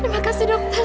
terima kasih dokter